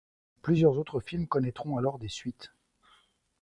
Plusieurs autres films connaitront alors des suites.